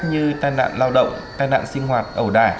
như tai nạn lao động tai nạn sinh hoạt ẩu đả